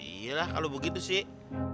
iya lah kalau begitu sih